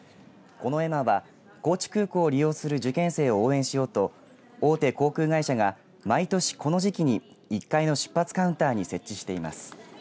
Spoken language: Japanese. この絵馬は高知空港を利用する受験生を応援しようと大手航空会社が毎年この時期に１階の出発カウンターに設置しています。